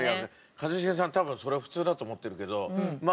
一茂さん多分それ普通だと思ってるけどま